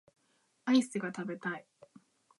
アイスが食べたい